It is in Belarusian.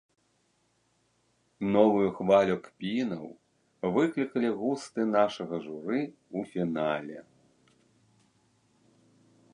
Новую хвалю кпінаў выклікалі густы нашага журы ў фінале.